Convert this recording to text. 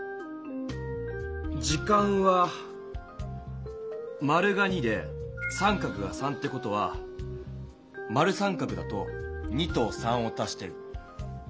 時間は○が２で△が３って事は○△だと２と３を足して５。